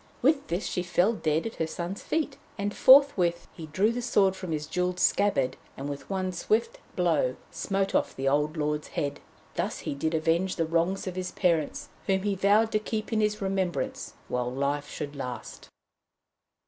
With this she fell dead at her son's feet; and forthwith he drew the sword from its jewelled scabbard, and with one swift blow smote off the old lord's head. Thus did he avenge the wrongs of his parents, whom he vowed to keep in his remembrance while life should last."